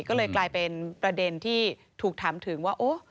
ก็เลยกลายเป็นประเด็นที่ถูกถามถึงว่า